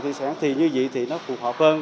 thị xã thì như vậy thì nó phù hợp hơn